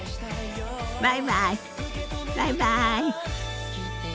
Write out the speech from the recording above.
バイバイバイバイ。